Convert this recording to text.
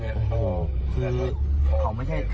มากวนในร้าน